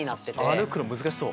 歩くの難しそう。